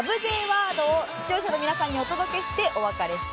Ｊワードを視聴者の皆さんにお届けしてお別れしています。